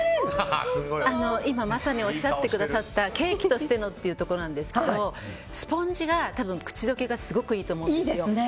今、まさにおっしゃってくださったケーキとしてのというところですがスポンジが多分、口溶けがすごくいいと思うんですよ。